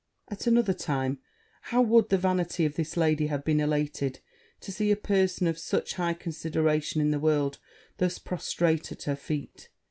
At another time, how would the vanity of this lady have been elated to see a person of such high consideration in the world thus prostrate at her feet!